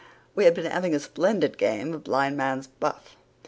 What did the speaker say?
We had been having a splendid game of Blind Man's Buff.